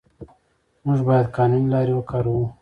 موږ باید قانوني لارې وکاروو.